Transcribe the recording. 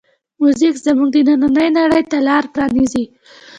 موزیک زمونږ دنننۍ نړۍ ته لاره پرانیزي.